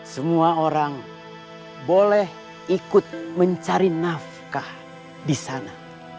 semua orang boleh ikut mencari nafkah di sana